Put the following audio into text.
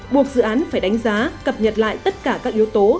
buộc dự án phải đánh giá cập nhật lại tất cả các yếu tố